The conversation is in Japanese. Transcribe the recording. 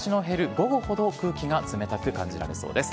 午後ほど空気が冷たく感じられそうです。